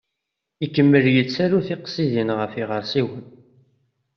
Ikemmel yettaru tiqsiḍin ɣef yiɣersiwen.